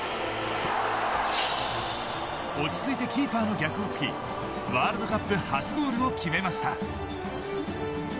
落ち着いてキーパーの逆を突きワールドカップ初ゴールを決めました。